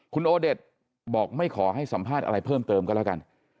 คุณโอเดชบอกไม่ขอให้สัมภาษณ์อะไรเพิ่มเติมก็แล้วกัน